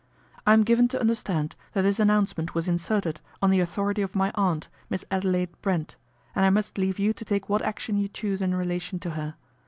" I am given to understand that this announce ment was inserted on the authority of my aunt, Miss Adelaide Brent, and I must leave you to take what action you choose in relation to her.